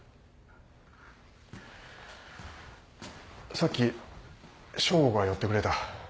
さっき匠吾が寄ってくれた。